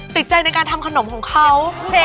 ติดใจในการทำขนมของเขา